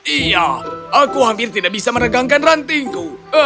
iya aku hampir tidak bisa meregangkan rantingku